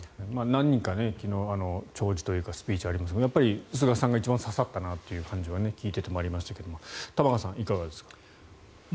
何人か昨日、弔辞というかスピーチはありましたがやっぱり菅さんが一番刺さったなという感じは聞いていてもありましたが玉川さん、いかがですか。